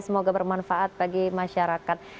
semoga bermanfaat bagi masyarakat